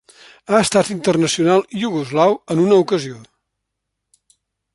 Ha estat internacional iugoslau en una ocasió.